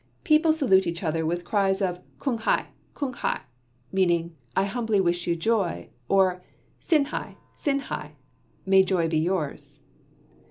People salute each other with cries of "Kung hi! Kung hi!" meaning I humbly wish you joy, or "Sin hi! Sin hi!" May joy be yours.